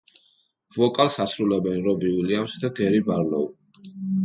ვოკალს ასრულებენ რობი უილიამსი და გერი ბარლოუ.